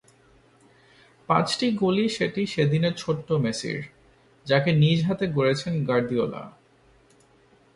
পাঁচটি গোলই সেটি সেদিনের ছোট্ট মেসির, যাকে নিজ হাতে গড়েছেন গার্দিওলা।